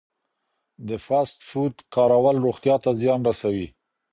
د فاسټ فوډ کارول روغتیا ته زیان رسوي.